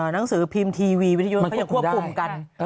หนังสือพิมพ์ทีวีวิทยุเขายังควบคุมกัน